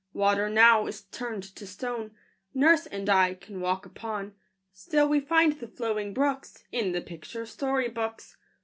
Water now is turned to stone Nurse and I can walk upon; Still we find the flowing brooks In the picture story books.